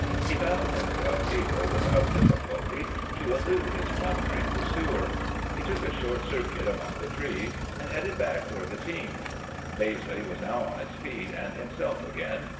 He found himself able, without difficulty, to elude his floundering pursuer. He took a short circuit among the trees, and headed back toward the team. "Baizley was now on his feet, and himself again.